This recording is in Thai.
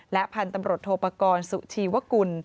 และพันธรรมรถโทษปกรณ์สุชีวกุล